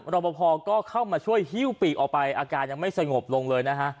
รอปภก็เข้ามาช่วยฮิ้วปีกออกไปอาการยังไม่สงบลงเลยนะฮะ